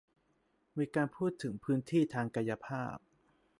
มีการพูดถึงพื้นที่ทางกายภาพ